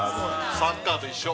◆サッカーと一緒。